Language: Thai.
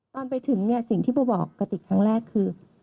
ตอนไปถึงเนี่ยสิ่งที่โบบอกกระติกครั้งแรกคือ